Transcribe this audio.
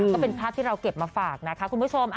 ก็เป็นภาพที่เราเก็บมาฝากนะคะคุณผู้ชม